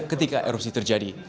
ketika erupsi terjadi